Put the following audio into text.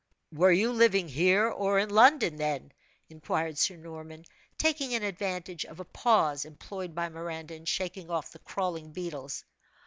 "Were you living here or in London then?" inquired Sir Norman, taking an advantage of a pause, employed by Miranda in shaking off the crawling beetles.